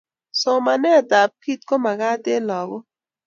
Somanet kobkit be makat eng lakok